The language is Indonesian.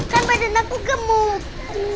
kan badan aku gemuk